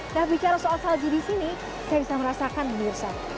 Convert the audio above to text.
nah bicara soal salju di sini saya bisa merasakan mirsa